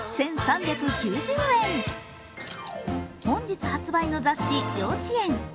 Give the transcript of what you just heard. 本日発売の雑誌「幼稚園」。